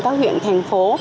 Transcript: các huyện thành phố